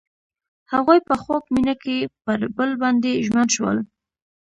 هغوی په خوږ مینه کې پر بل باندې ژمن شول.